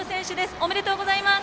おめでとうございます！